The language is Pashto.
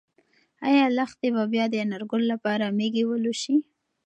ایا لښتې به بیا د انارګل لپاره مېږې ولوشي؟